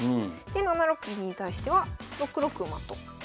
で７六銀に対しては６六馬と。